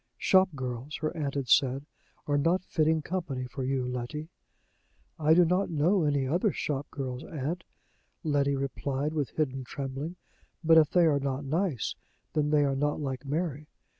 "Shop girls," her aunt had said, "are not fitting company for you, Letty." "I do not know any other shop girls, aunt," Letty replied, with hidden trembling; "but, if they are not nice, then they are not like Mary.